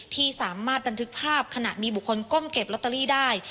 ที่สามารถบันทึกภาพขณะมีบุคคลก้มเก็บลอตเตอรี่ได้